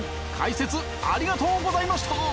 解説ありがとうございました！